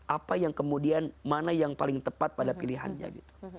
apa yang kemudian mana yang paling tepat pada pilihannya gitu